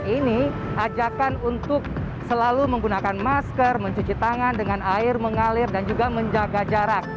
ini ajakan untuk selalu menggunakan masker mencuci tangan dengan air mengalir dan juga menjaga kondisi sosial yang lebih baik untuk kita